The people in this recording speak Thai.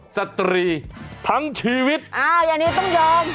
สตรีทั้งชีวิตอ้าวอันนี้ต้องยอม